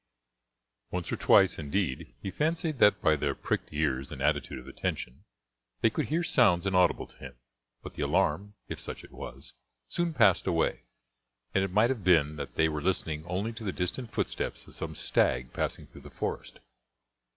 Once or twice, indeed, he fancied that by their pricked ears and attitude of attention they could hear sounds inaudible to him; but the alarm, if such it was, soon passed away, and it might have been that they were listening only to the distant footsteps of some stag passing through the forest.